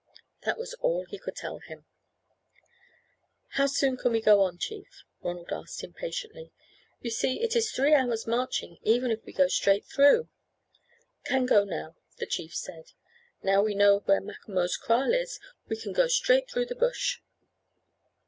That was all he could tell him. "How soon can we go on, chief?" Ronald asked, impatiently. "You see, it is three hours' marching even if we go straight through." "Can go now," the chief said. "Now we know where Macomo's kraal is we can go straight through the bush."